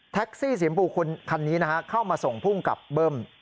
แท็กซี่สีชมพูคันนี้นะครับเข้ามาส่งภูมิกับเบิ้ม